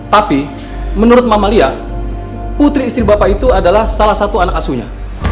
tapi menurut mamalia putri istri bapak itu adalah salah satu anak asuhnya